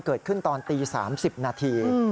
เกิดขึ้นตอนตี๓๐นาที